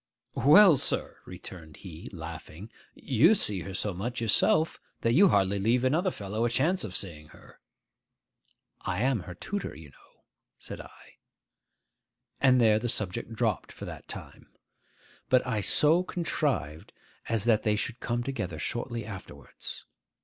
'Well, sir,' returned he, laughing, 'you see her so much yourself, that you hardly leave another fellow a chance of seeing her.' 'I am her tutor, you know,' said I. And there the subject dropped for that time. But I so contrived as that they should come together shortly afterwards.